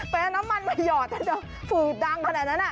ไปเอาน้ำมันมาหยอดแล้วจะฝืดดังขนาดนั้น